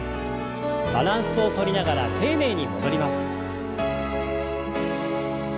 バランスをとりながら丁寧に戻ります。